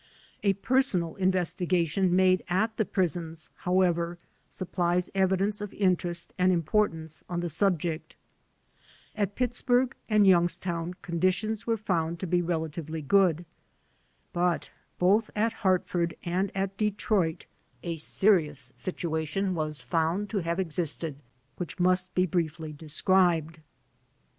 A personal investiga tion made at the prisons, however, supplies evidence of interest and importance on the subject. At Pittsburgh and Youngstown conditions were found to be relatively HOW THE ALI£;NS WERE TREATED 79 g^ood. But both at Hartford and at Detroit a serious situation was found to have existed, which must be briefly described.